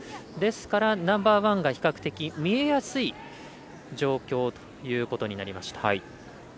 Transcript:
ですから、ナンバーワンが比較的見えやすい状況ということになりました。